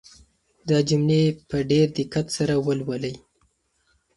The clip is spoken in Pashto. دا جملې په ډېر دقت سره ولولئ.